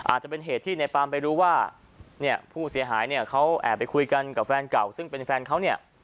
อาจจะเป็นเหตุที่นายปาล์มไปรู้ว่าผู้เสียหายเขาแอบไปคุยกันกับแฟนเก่า